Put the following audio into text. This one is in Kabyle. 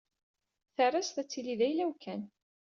Tarrazt ad tili d ayla-w kan.